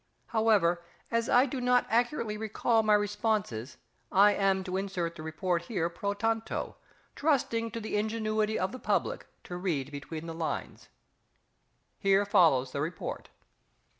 However, as I do not accurately recall my responses, I am to insert the report here pro tanto, trusting to the ingenuity of the public to read between the lines. HERE FOLLOWS THE REPORT.